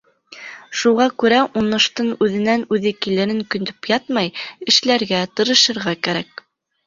Шуға күрә уңыштың үҙенән-үҙе килерен көтөп ятмай, эшләргә, тырышырға кәрәк.